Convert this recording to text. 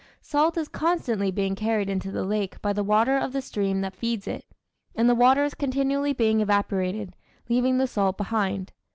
Salt is constantly being carried into the lake by the water of the stream that feeds it, and the water is continually being evaporated, leaving the salt behind.